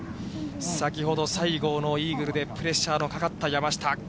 先ほど、西郷のイーグルでプレッシャーのかかった山下。